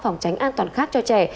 phòng tránh an toàn khác cho trẻ